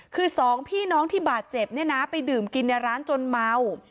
คือสองพี่น้องที่บาดเจ็บเนี่ยนะไปดื่มกินในร้านจนเมา